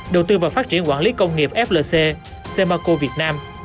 đầu tư vào phát triển quản lý công nghiệp flc semaco việt nam